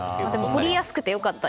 彫りやすくて良かった。